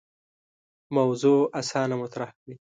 موضوع اسانه مطرح کړي.